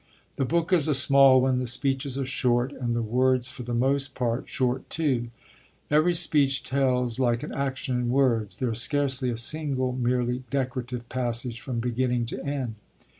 The book is a small one, the speeches are short, and the words for the most part short too; every speech tells like an action in words; there is scarcely a single merely decorative passage from beginning to end.